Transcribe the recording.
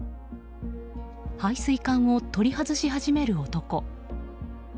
排水管を取り外し始める男。